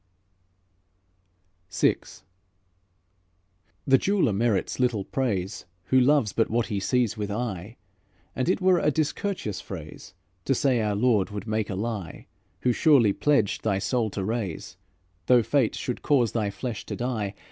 VI The jeweler merits little praise, Who loves but what he sees with eye, And it were a discourteous phrase To say our Lord would make a lie, Who surely pledged thy soul to raise, Though fate should cause thy flesh to die.